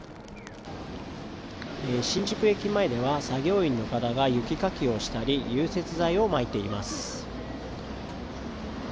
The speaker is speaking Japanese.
新宿駅前では作業員の方が雪かきをしたり融雪剤をまいています。